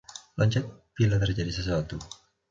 Loncat bila terjadi sesuatu.